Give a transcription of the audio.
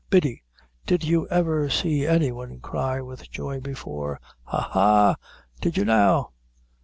Biddy, did you ever see any one cry with joy before ha ha did you now?"